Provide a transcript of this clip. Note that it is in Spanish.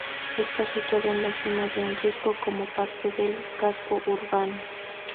Está situado en la cima de un risco como parte del casco urbano.